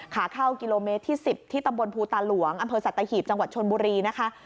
ขาเข้ากิโลเมตรที่๑๐ที่ตำบลภูตาหลวงอำเภอสัตหีบจังหวัดชนบุรีนะคะ